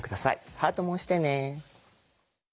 ハートも押してね。